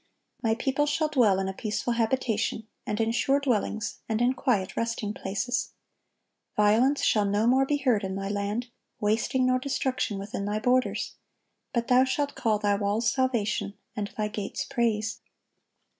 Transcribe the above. "My people shall dwell in a peaceful habitation, and in sure dwellings, and in quiet resting places." "Violence shall no more be heard in thy land, wasting nor destruction within thy borders; but thou shalt call thy walls Salvation, and thy gates Praise."